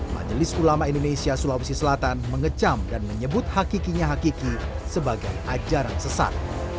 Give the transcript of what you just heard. majelis ulama indonesia sulawesi selatan mengecam dan menyebut hakikinya hakiki sebagai ajaran sesat